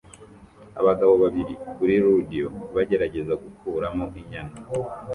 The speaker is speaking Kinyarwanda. Abagabo babiri kuri rodeo bagerageza gukuramo inyana